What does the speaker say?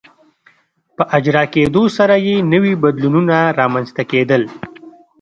په اجرا کېدو سره یې نوي بدلونونه رامنځته کېدل.